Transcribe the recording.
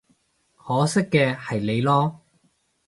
可惜嘅係你囉